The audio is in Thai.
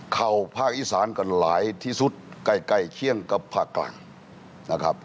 ภาคอีสานกันหลายที่สุดใกล้ใกล้เคียงกับภาคกลางนะครับ